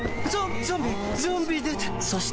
ゾンビ⁉